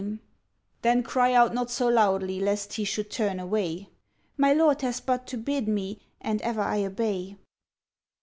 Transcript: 46 FALSE DEARBHORGIL ' Then, cry out not so loudly, lest he should turn away.' 'My lord has but to bid me, and ever I obey.'